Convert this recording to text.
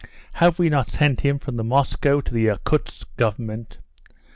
Have we not sent him from the Moscow to the Irkoutsk Government?"